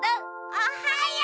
おはよう！